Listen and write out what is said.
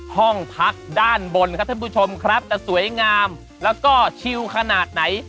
ห้องพักด้านบนครับท่านผู้ชมครับจะสวยงามแล้วก็ชิวขนาดไหน